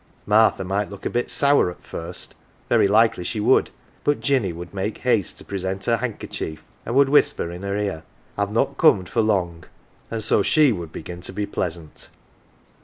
Martha might look a bit sour at first very like she would but Jinny would make haste to present her handkerchief, and would whisper in her ear " I've not corned for long," and so she would begin to be pleasant.